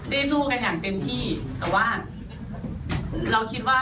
ได้สู้กันอย่างเป็นที่แต่ว่า